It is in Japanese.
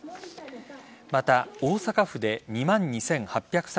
また、大阪府で２万２８３３人